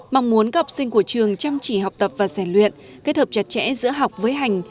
mong muốn các học sinh của trường chăm chỉ học tập và giải luyện kết hợp chặt chẽ giữa học với hành